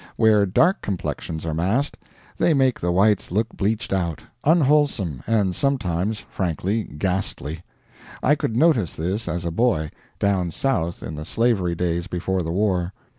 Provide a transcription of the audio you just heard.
Where dark complexions are massed, they make the whites look bleached out, unwholesome, and sometimes frankly ghastly. I could notice this as a boy, down South in the slavery days before the war.